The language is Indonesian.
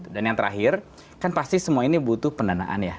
dan yang terakhir kan pasti semua ini butuh pendanaan ya